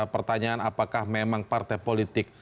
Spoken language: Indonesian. pertanyaan apakah memang partai politik